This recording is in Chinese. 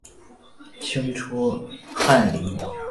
清初翰林。